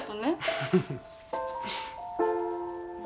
フフフッ。